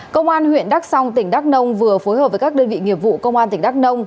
công an huyện đắc song tỉnh đắc nông vừa phối hợp với các đơn vị nghiệp vụ công an tỉnh đắc nông